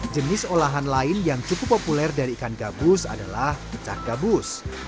jenis olahan lain yang cukup populer dari ikan gabus adalah pecah gabus